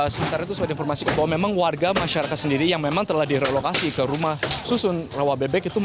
sementara itu seperti informasi bahwa memang warga masyarakat sendiri yang memang telah direlokasi ke rumah susun rawa bebek